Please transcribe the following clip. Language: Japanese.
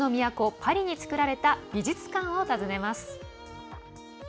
パリに作られた美術館を訪ねます。